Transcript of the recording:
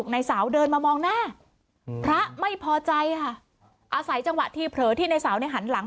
นายสาวเดินมามองหน้าพระไม่พอใจค่ะอาศัยจังหวะที่เผลอที่ในสาวเนี่ยหันหลัง